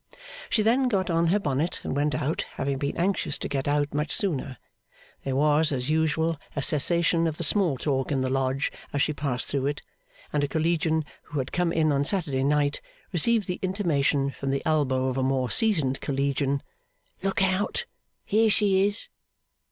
She then got on her bonnet and went out, having been anxious to get out much sooner. There was, as usual, a cessation of the small talk in the Lodge as she passed through it; and a Collegian who had come in on Saturday night, received the intimation from the elbow of a more seasoned Collegian, 'Look out. Here she is!